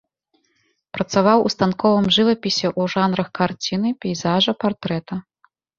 Працаваў ў станковым жывапісе ў жанрах карціны, пейзажа, партрэта.